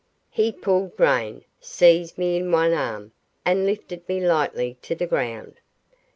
He pulled rein, seized me in one arm, and lifted me lightly to the ground.